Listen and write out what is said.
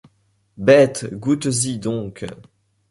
Bête! goûtes-y donc !